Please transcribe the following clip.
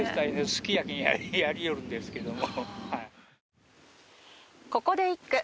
好きやきにやりよるんですけども。